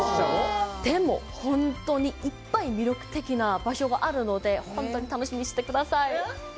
でも、本当にいっぱい魅力的な場所があるので、本当に楽しみにしててください。